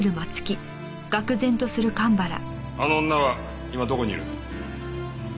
あの女は今どこにいる？